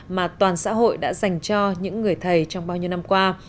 mà toàn xã hội đã dành cho những người thầy trong bao nhiêu năm qua